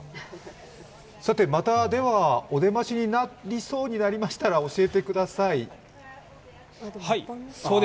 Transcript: またではお出ましになりそうになりましたら教えてください。